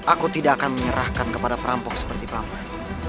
aku tidak akan menyerahkan kepada perampok seperti kamu